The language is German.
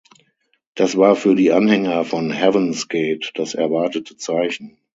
Das war für die Anhänger von Heaven’s Gate das erwartete Zeichen.